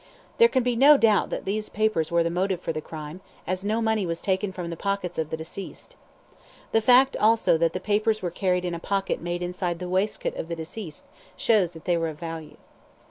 There can be no doubt that these papers were the motive for the crime, as no money was taken from the pockets of the deceased. The fact, also, that the papers were carried in a pocket made inside the waistcoat of the deceased shows that they were of value.